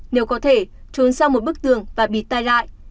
nếu có thể trốn sau một bức tường và bị tai lại